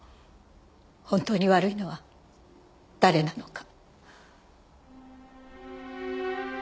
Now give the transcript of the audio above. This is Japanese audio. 本当に悪いのは誰なのか。